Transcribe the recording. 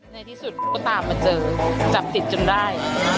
ในที่สุดก็ตามมาเจอจับติดจนได้